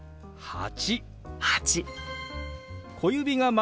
「８」。